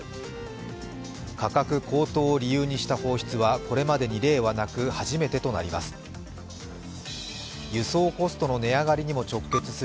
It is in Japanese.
価格高騰を理由にした放出はこれまでに例はなく初めてとなります。